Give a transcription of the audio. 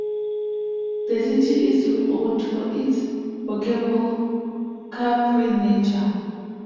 The city is renowned for its walkable, car-free nature.